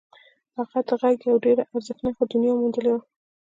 هغه د غږ یوه ډېره ارزښتناکه دنیا موندلې وه